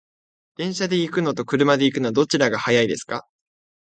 電車で行くのと車で行くの、どちらが早いですか？